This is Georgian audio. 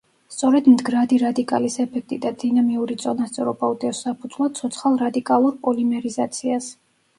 სწორედ მდგრადი რადიკალის ეფექტი და დინამიური წონასწორობა უდევს საფუძვლად ცოცხალ რადიკალურ პოლიმერიზაციას.